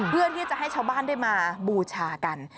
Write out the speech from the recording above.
เพื่อที่จะให้ชาวบ้านได้มาบูชากัน